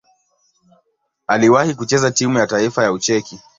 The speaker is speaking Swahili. Aliwahi kucheza timu ya taifa ya Ucheki.